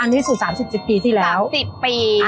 อันนี้สู่๓๐ปีที่แล้ว๓๐ปีแบบนี้